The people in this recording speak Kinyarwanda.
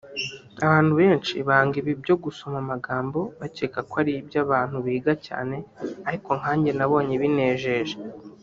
Abantu benshi banga ibi byo gusoma amagambo bakeka ko ari iby’abantu biga cyane ariko nkanjye nabonye binejeje